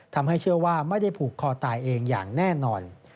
ทำให้เชื่อว่าไม่ได้ผูกคอตายเองอย่างแน่นอน